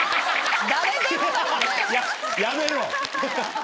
やめろ。